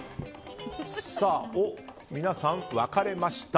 皆さん、分かれました。